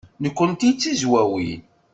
Nekkenti d Tizwawin.